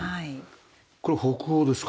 これ北欧ですか？